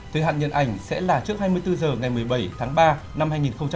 từ hạn nhận ảnh sẽ là trước hai mươi bốn h ngày một mươi bảy tháng ba năm hai nghìn một mươi tám